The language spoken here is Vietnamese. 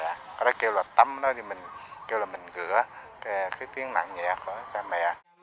rồi kêu là tắm nó thì mình kêu là mình gửa cái tiếng nặng nhẹ của cha mẹ